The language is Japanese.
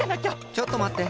ちょっとまって。